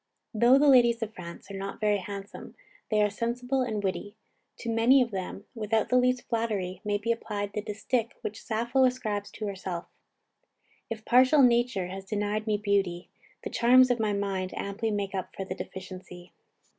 Though the ladies of France are not very handsome, they are sensible and witty. To many of them, without the least flattery, may be applied the distich which Sappho ascribes to herself: "_If partial nature has denied me beauty, the charms of my mind amply make up for the deficiency.